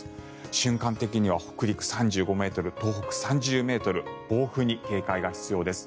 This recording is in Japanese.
瞬間的には北陸３５ｍ東北３０ｍ暴風に警戒が必要です。